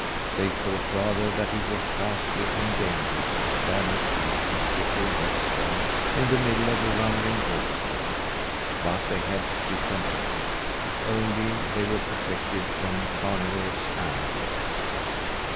They thought rather that it was ghastly and dangerous to stand and sleep on slippery, wet stones, in the middle of a rumbling waterfall. But they had to be content, if only they were protected from carnivorous animals.